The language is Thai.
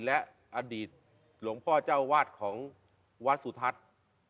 และอดีตหลวงพ่อเจ้าวาดของวัดสุทัศน์